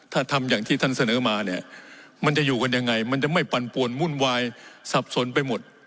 ถ้าทำอย่างที่ท่านเสนอมาเนี่ยมันจะอยู่กันยังไงมันจะไม่ปั่นปวนวุ่นวายสับสนไปหมด